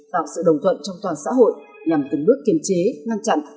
tạo sự đồng thuận trong toàn xã hội nhằm từng bước kiềm chế ngăn chặn